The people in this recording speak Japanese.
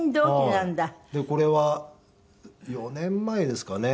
これは４年前ですかね。